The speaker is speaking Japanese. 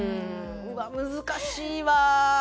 うわ難しいわ。